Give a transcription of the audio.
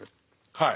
はい。